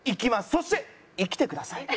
そして生きてください。